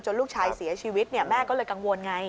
ลูกชายเสียชีวิตแม่ก็เลยกังวลไง